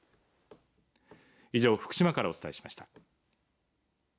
以上、福島からお伝えしました。